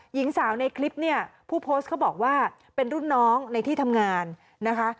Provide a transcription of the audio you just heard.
หญิงสาวในคลิปเนี่ยผู้โพสต์เขาบอกว่าเป็นรุ่นน้องในที่ทำงานนะคะ